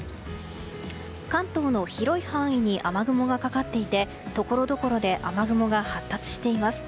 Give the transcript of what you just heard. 関東の広い範囲に雨雲がかかっていてところどころで雨雲が発達しています。